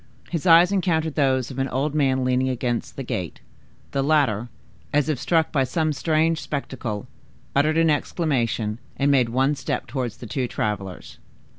His eyes encountered those of the old man leaning against the gate; the latter, as if struck by some strange spectacle, uttered an exclamation, and made one step towards the two travelers.